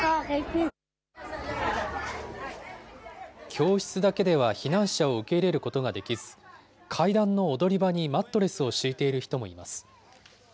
教室だけでは避難者を受け入れることができず、階段の踊り場にマットレスを敷いている人もいます。